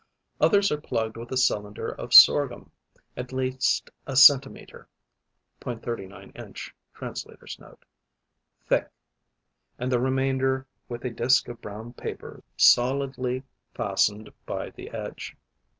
Others are plugged with a cylinder of sorghum, at least a centimetre (.39 inch Translator's Note.) thick; and the remainder with a disk of brown paper solidly fastened by the edge.